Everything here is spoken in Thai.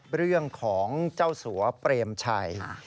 เรื่องของเจ้าสัวเปรมชัย